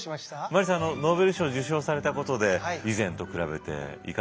マリーさんノーベル賞受賞されたことで以前と比べていかがでしょうか？